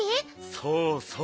そうそう。